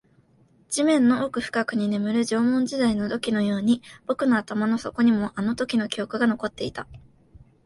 地面の奥深くに眠る縄文時代の土器のように、僕の頭の底にもあのときの記憶が残っていた